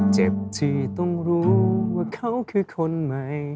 เจ็บที่ต้องรู้ว่าเขาคือคนใหม่